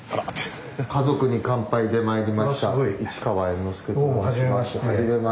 「家族に乾杯」でまいりました